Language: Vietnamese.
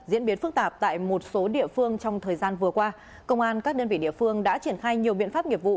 diễn biến phức tạp tại một số địa phương trong thời gian vừa qua công an các đơn vị địa phương đã triển khai nhiều biện pháp nghiệp vụ